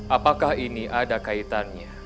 apakah ini ada kaitannya